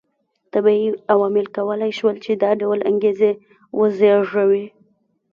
طبیعي عواملو کولای شول چې دا ډول انګېزې وزېږوي